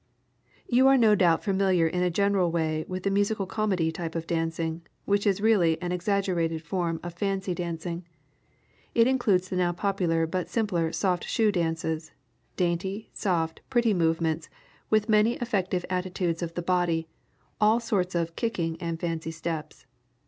You are no doubt familiar in a general way with the Musical Comedy type of dancing, which is really an exaggerated form of fancy dancing. It includes the now popular but simpler "soft shoe" dances, dainty, soft, pretty movements with many effective attitudes of the body, all sorts of "kicking" and "fancy" steps.